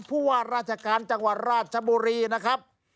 ผู้ว่าราชการจังหวัดราชบุรีนะครับ